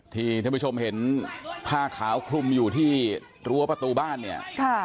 ที่ท่านผู้ชมเห็นผ้าขาวคลุมอยู่ที่รั้วประตูบ้านเนี่ยค่ะ